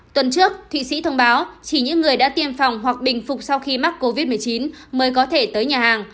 tuần trước thụy sĩ thông báo chỉ những người đã tiêm phòng hoặc bình phục sau khi mắc covid một mươi chín mới có thể tới nhà hàng